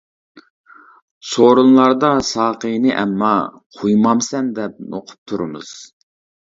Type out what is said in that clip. سورۇنلاردا ساقىنى ئەمما، قۇيمامسەن دەپ نوقۇپ تۇرىمىز.